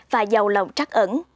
và giàu lòng trắc ẩn